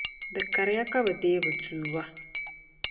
di kariya ka bɛ deei bɛ tuuba.